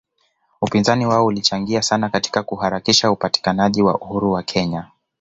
Upinzani wao ulichangia sana katika kuharakisha upatikanaji wa uhuru wa Kenya